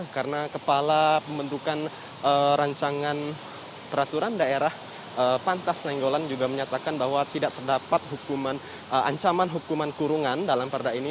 karena kepala pembentukan rancangan peraturan daerah pantas nenggolan juga menyatakan bahwa tidak terdapat ancaman hukuman kurungan dalam perda ini